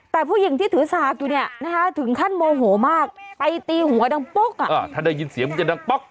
แต่ผู้หญิงที่ถือสากอยู่เนี่ยนะคะถึงขั้นโมโหมากไปตีหัวดังปุ๊กถ้าได้ยินเสียงมันจะดังป๊อก